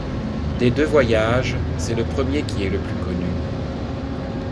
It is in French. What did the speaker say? Des deux voyages, c'est le premier qui est le plus connu.